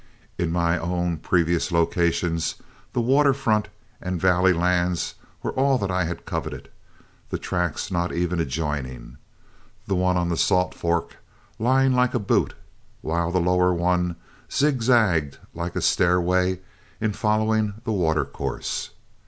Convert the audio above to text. In my own previous locations, the water front and valley lands were all that I had coveted, the tracts not even adjoining, the one on the Salt Fork lying like a boot, while the lower one zigzagged like a stairway in following the watercourse.